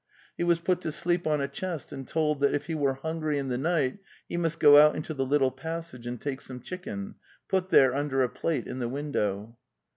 He was put to sleep on The Steppe 301 a chest and told that if he were hungry in the night he must go out into the little passage and take some chicken, put there under a plate in the window.